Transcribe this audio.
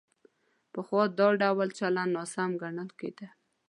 پخوا دا ډول چلند ناسم ګڼل کېده.